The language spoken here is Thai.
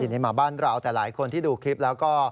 นี่มาบ้านเราแต่หลายคนที่ดูคลิปแล้วก็